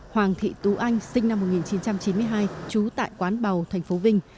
hoàng thị tú anh sinh năm một nghìn chín trăm chín mươi hai trú tại quán bào tp vinh